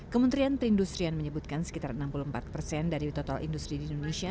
kementerian perindustrian menyebutkan sekitar enam puluh empat persen dari total industri di indonesia